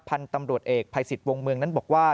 พันธุ์ตำรวจเอกภัยสิทธิ์วงเมืองนั้นบอกว่า